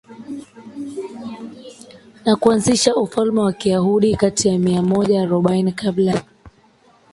na kuanzisha ufalme wa Kiyahudi kati ya mia moja arobaini kabla ya kristo